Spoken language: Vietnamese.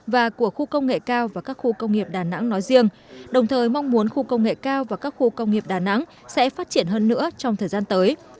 và của khu công nghệ cao và các khu công nghiệp đà nẵng nói riêng đồng thời mong muốn khu công nghệ cao và các khu công nghiệp đà nẵng sẽ phát triển hơn nữa trong thời gian tới